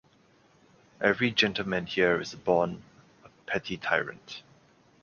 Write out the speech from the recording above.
Every gentlemen here is born a petty tyrant.